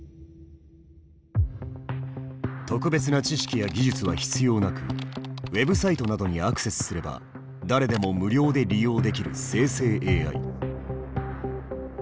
特別な知識や技術は必要なくウェブサイトなどにアクセスすれば誰でも無料で利用できる生成ＡＩ。